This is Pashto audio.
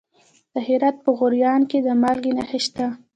د هرات په غوریان کې د مالګې نښې شته.